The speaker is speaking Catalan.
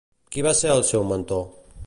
Qui va ser el seu mentor?